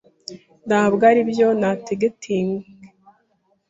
Ntabwo aribyo nategetehitingi